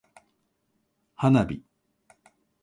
花火